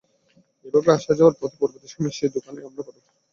এভাবে আসা-যাওয়ার পথে পরবর্তী সময়ে সেই দোকানেই আমার পাঠাভ্যাস গড়ে ওঠে।